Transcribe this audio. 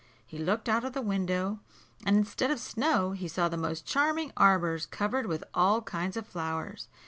He looked out of the window, and, instead of snow, he saw the most charming arbours covered with all kinds of flowers.